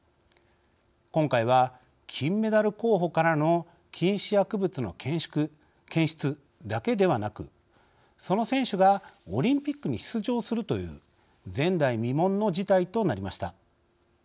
今回は金メダル候補からの禁止薬物の検出、だけではなくその選手がオリンピックに出場するという前代未聞の事態となりました。